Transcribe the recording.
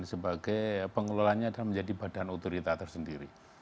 sebagai pengelolanya dan menjadi badan otorita tersendiri